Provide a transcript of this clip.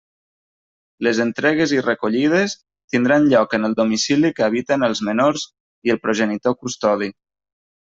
Les entregues i recollides tindran lloc en el domicili que habiten els menors i el progenitor custodi.